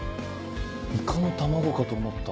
イカの卵かと思った。